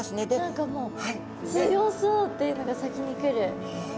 何かもう強そうっていうのが先に来る。